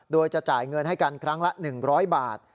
โดยจะจ่ายเงินให้กันครั้งละ๑๐๐บาท